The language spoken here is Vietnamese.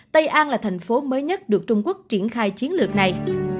tây an là thành phố mới nhất được trung quốc triển khai chiến lược này